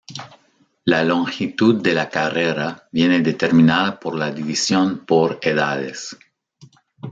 La longitud de la carrera viene determinada por la división por edades.